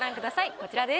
こちらです。